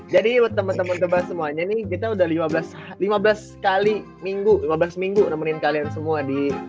jadi teman teman tebas semuanya nih kita udah lima belas lima belas kali minggu lima belas minggu nemenin kalian semua di